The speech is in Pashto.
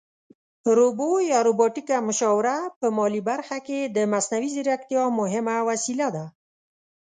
روبو یا روباټیکه مشاوره په مالي برخه کې د مصنوعي ځیرکتیا مهمه وسیله ده